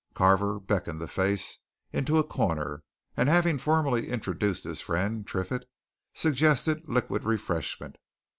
Carver beckoned the face into a corner, and having formally introduced his friend Triffitt, suggested liquid refreshment.